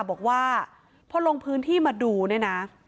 บอกว่าพอลงพื้นที่มาดูเนี่ยนะ